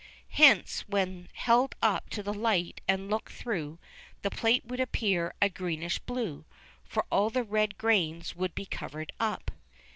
Hence, when held up to the light and looked through, the plate would appear a greenish blue, for all the red grains would be covered up.